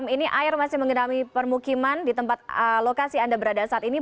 ini air masih mengenami permukiman di tempat lokasi anda berada saat ini